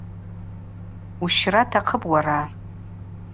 Ущра атахъыпӏ уара.